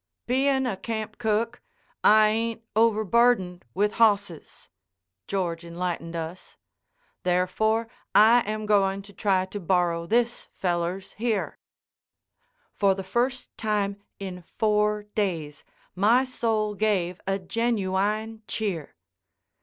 "Bein' a camp cook, I ain't over burdened with hosses," George enlightened us. "Therefore, I am going to try to borrow this feller's here." For the first time in four days my soul gave a genuine cheer.